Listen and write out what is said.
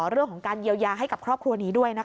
เรื่องของการเยียวยาให้กับครอบครัวนี้ด้วยนะคะ